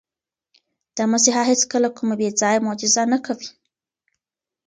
دا مسیحا هیڅکله کومه بې ځایه معجزه نه کوي.